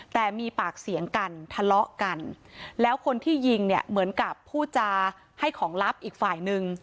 แต่มีปากเสียงกันทะเลาะกันแล้วคนที่ยิงเนี่ยเหมือนกับผู้จาให้ของลับอีกฝ่ายนึง